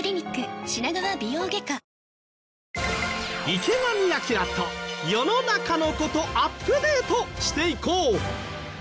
池上彰と世の中の事アップデートしていこう！